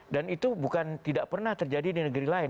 dan itu bukan tidak pernah terjadi di negeri lain